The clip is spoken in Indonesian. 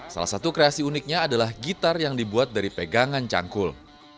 salah satu kreasi uniknya adalah gitar yang dibuat dari pegangan cangkul